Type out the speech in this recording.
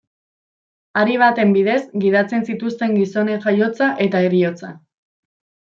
Hari baten bidez gidatzen zituzten gizonen jaiotza eta heriotza.